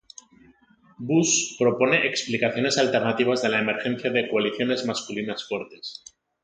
Buss propone explicaciones alternativas de la emergencia de coaliciones masculinas fuertes.